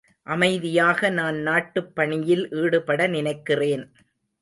அமைதியாக நான் நாட்டுப் பணியில் ஈடுபட நினைக்கிறேன்.